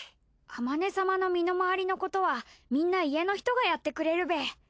あまね様の身の回りのことはみんな家の人がやってくれるべ。